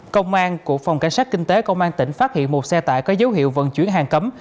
công an của phòng cảnh sát kinh tế công an tỉnh phát hiện một xe tải có dấu hiệu vận chuyển hàng cấm